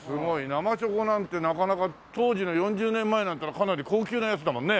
生チョコなんてなかなか当時の４０年前なんていうのはかなり高級なやつだもんね。